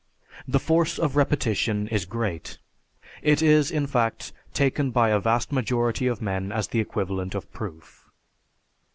The force of repetition is great; it is, in fact, taken by a vast majority of men as the equivalent of proof.